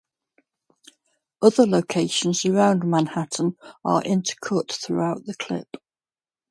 Other locations around Manhattan are intercut throughout the clip.